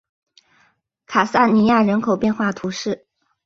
卡萨尼亚人口变化图示